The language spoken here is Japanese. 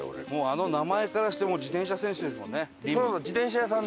あの名前からしてもう自転車選手ですもんね。